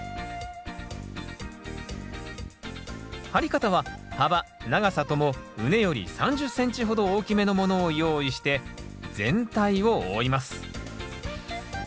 張り方は幅長さとも畝より３０ｃｍほど大きめのものを用意して全体を覆います。